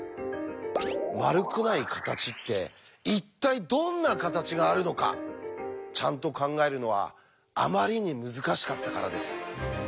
丸くない形って一体どんな形があるのかちゃんと考えるのはあまりに難しかったからです。